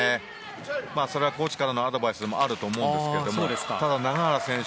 それはコーチからのアドバイスでもあると思うんですがただ永原選手